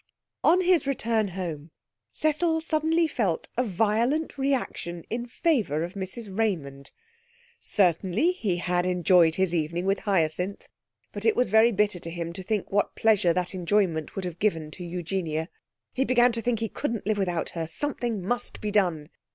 On his return home, Cecil suddenly felt a violent reaction in favour of Mrs Raymond. Certainly he had enjoyed his evening with Hyacinth, but it was very bitter to him to think what pleasure that enjoyment would have given to Eugenia.... He began to think he couldn't live without her. Something must be done.